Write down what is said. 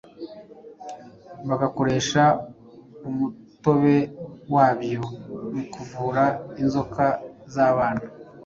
bagakoresha umutobe wabyo mu kuvura inzoka z’abana,